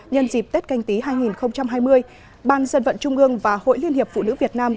nhân dịp tết canh tí hai nghìn hai mươi ban dân vận trung ương và hội liên hiệp phụ nữ việt nam